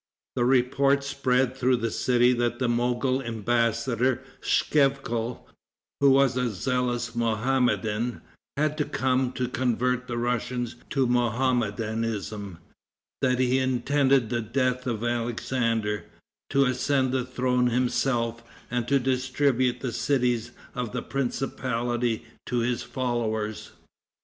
The report spread through the city that the Mogol embassador, Schevkal, who was a zealous Mohammedan, had come to convert the Russians to Mohammedanism, that he intended the death of Alexander, to ascend the throne himself, and to distribute the cities of the principality to his followers.